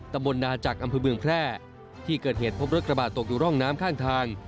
ตำบลนาจักรอำเภอเมืองแพร่ที่เกิดเหตุพบรถกระบะตกอยู่ร่องน้ำข้างทาง